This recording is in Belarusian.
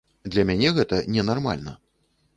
Для мяне гэта ненармальна.